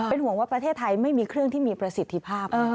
ห่วงว่าประเทศไทยไม่มีเครื่องที่มีประสิทธิภาพ